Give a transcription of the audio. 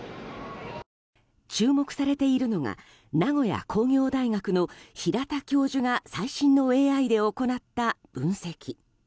注目されているのが名古屋工業大学の平田教授が最新のＡＩで行った分析。